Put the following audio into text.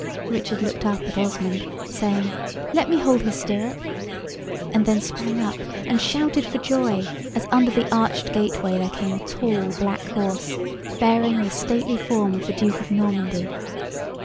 Richard looked up at Osmond, saying, "Let me hold his stirrup," and then sprang up and shouted for joy, as under the arched gateway there came a tall black horse, bearing the stately form of the Duke of Normandy.